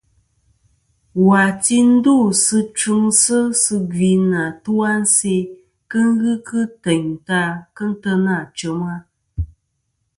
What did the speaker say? Wà ti ndusɨ tfɨŋsɨ sɨ gvi nɨ atu-a a nse kɨ ghɨ kɨ teyn ta kɨ n-tena chem-a.